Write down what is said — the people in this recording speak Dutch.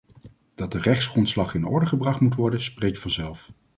Dat de rechtsgrondslag in orde gebracht moet worden, spreekt vanzelf.